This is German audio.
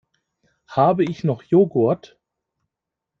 Habe ich noch Joghurt?